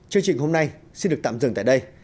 chương trình hôm nay xin được tạm dừng tại đây